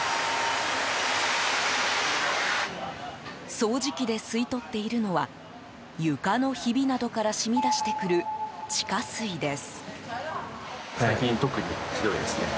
掃除機で吸い取っているのは床のひびなどから染み出してくる地下水です。